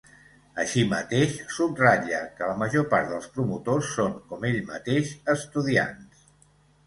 Així mateix, subratlla que la major part dels promotors són, com ell mateix, estudiants.